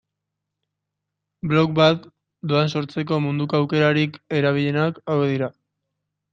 Blog bat doan sortzeko munduko aukerarik erabilienak hauek dira.